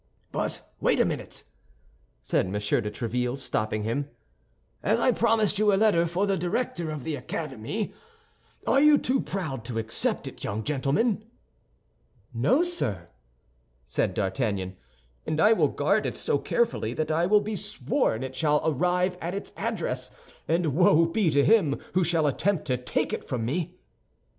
"But wait a minute," said M. de Tréville, stopping him. "I promised you a letter for the director of the Academy. Are you too proud to accept it, young gentleman?" "No, sir," said D'Artagnan; "and I will guard it so carefully that I will be sworn it shall arrive at its address, and woe be to him who shall attempt to take it from me!"